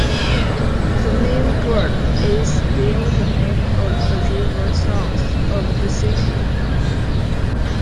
The name Bourde is still the name of a river south of the city.